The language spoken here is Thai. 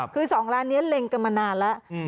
คือ๒ร้านนี้เล็งกันมานานแล้ว